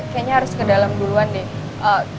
kayaknya harus ke dalam duluan deh